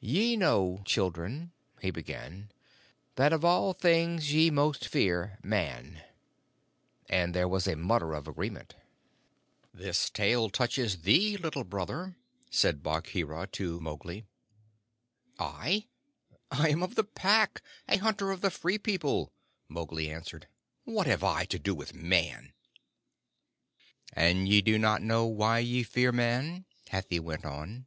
"Ye know, children," he began, "that of all things ye most fear Man"; and there was a mutter of agreement. "This tale touches thee, Little Brother," said Bagheera to Mowgli. "I? I am of the Pack a hunter of the Free People," Mowgli answered. "What have I to do with Man?" "And ye do not know why ye fear Man?" Hathi went on.